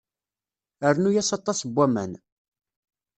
Rnu-yas aṭas n waman.